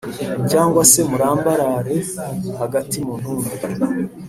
cyangwa se murambarare hagati mu ntumbi.